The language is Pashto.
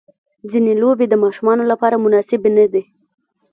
ځینې لوبې د ماشومانو لپاره مناسبې نه دي.